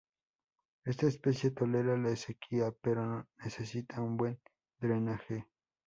Esta especie tolera la sequía pero necesita un buen drenaje.